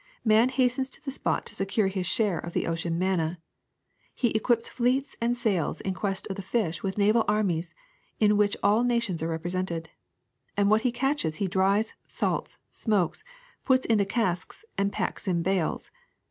Man hastens to the spot to secure his share of the ocean manna. He equips fleets and sails in quest of the fish with naval armies in which all nations are represented; and what he catches he dries, salts, smokes, puts into casks, and packs in bales.